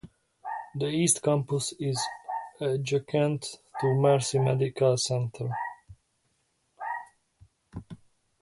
The East Campus is adjacent to Mercy Medical Center.